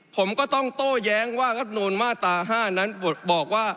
ผมก็ต้องโต้แย้งว่ารัฐมนูลมาตรา๕นั้นบอกว่า